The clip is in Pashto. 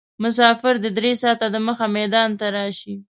مسافر دې درې ساعته دمخه میدان ته راشي.